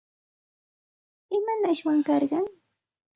¿Imanashwan karqan?